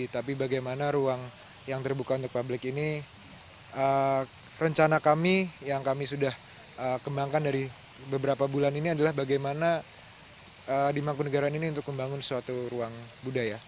tapi bagaimana ruang yang terbuka untuk publik ini rencana kami yang kami sudah kembangkan dari beberapa bulan ini adalah bagaimana di mangkunegara ini untuk membangun suatu ruang budaya